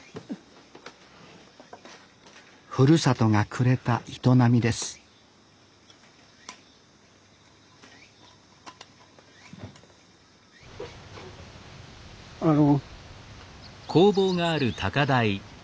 ふるさとがくれた営みですあの。